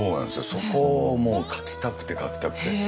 そこをもう描きたくて描きたくて。